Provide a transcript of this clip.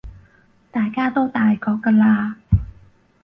大家都大個㗎喇